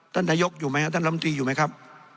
ท่านนายกอยู่ไหมครับท่านลำตีอยู่ไหมครับ